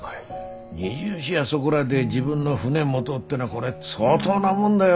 ２４やそごらで自分の船持どうってのはこれ相当なもんだよ。